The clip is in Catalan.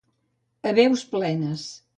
A veus plenes.